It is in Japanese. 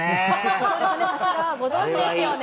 ご存じですよね。